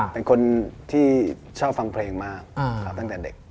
เป็นคนที่ชอบฟังเพลงมากตั้งแต่เด็ก